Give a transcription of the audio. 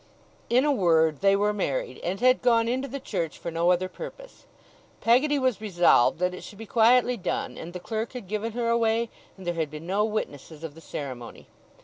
In a word, they were married, and had gone into the church for no other purpose. Peggotty was resolved that it should be quietly done; and the clerk had given her away, and there had been no witnesses of the ceremony.